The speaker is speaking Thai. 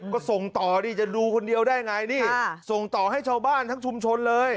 ก็ส่งต่อดิจะดูคนเดียวได้ไงนี่ส่งต่อให้ชาวบ้านทั้งชุมชนเลย